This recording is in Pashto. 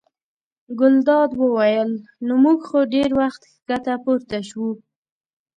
ګلداد وویل: نو موږ خو ډېر وخت ښکته پورته شوو.